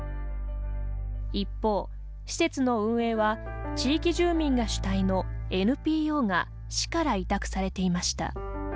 一方、施設の運営は地域住民が主体のＮＰＯが市から委託されていました。